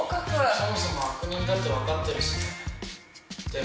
そもそも悪人だって分かってるしね